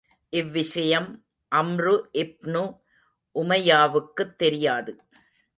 இவ்விஷயம் அம்ருஇப்னு உமையாவுக்குத் தெரியாது.